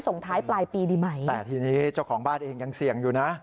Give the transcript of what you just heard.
ส่งท้ายปลายปีดีไหมแต่ทีนี้เจ้าของบ้านเองยังเสี่ยงอยู่นะ